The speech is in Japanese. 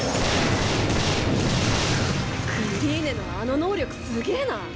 クリーネのあの能力すげぇな！